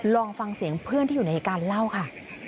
ลองฟังเสียงเพื่อนที่อยู่ในเหตุการณ์เล่าค่ะ